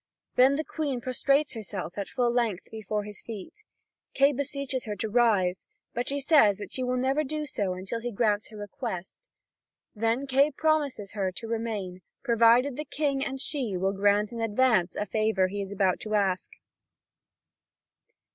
Then the Queen prostrates herself at full length before his feet. Kay beseeches her to rise, but she says that she will never do so until he grants her request. Then Kay promises her to remain, provided the King and she will grant in advance a favour he is about to ask.